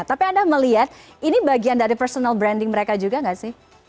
tapi anda melihat ini bagian dari personal branding mereka juga nggak sih